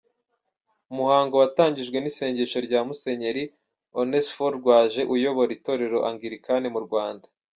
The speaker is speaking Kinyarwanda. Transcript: Umuhango watangijwe n’isengesho rya Musenyeri Onesphore Rwaje uyobora itorero Angilikani mu Rwanda.